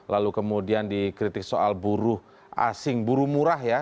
lalu kemudian dikritik soal buruh asing buruh murah ya